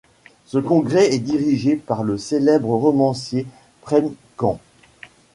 Ce congrès est dirigé par le célèbre romancier Premcand.